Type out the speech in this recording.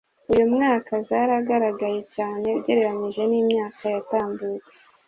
uyu mwaka zaragaragaye cyane ugereranije n’imyaka yatambutse